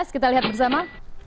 kita lihat bersama